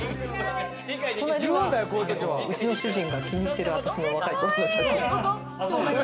隣は、うちの主人が気に入っている私の若い時の写真。